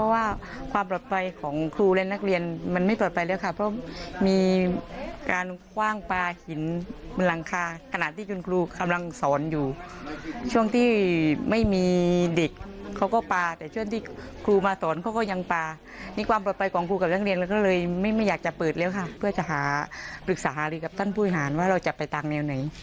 หัวหน้าอารีกัปตันผู้หลานว่าเราจะไปต่างแนวไหน